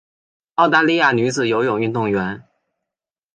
澳大利亚女子游泳运动员。